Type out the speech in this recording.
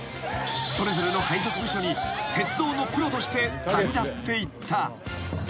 ［それぞれの配属部署に鉄道のプロとして旅立っていった］